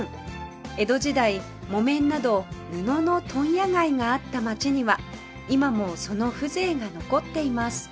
江戸時代木綿など布の問屋街があった町には今もその風情が残っています